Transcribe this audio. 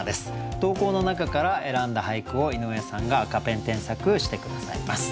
投稿の中から選んだ俳句を井上さんが赤ペン添削して下さいます。